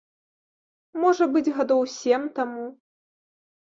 Можа быць, гадоў сем таму.